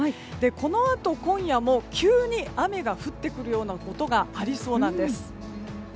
このあと、今夜も急に雨が降ってくるようなことがありそうなんです。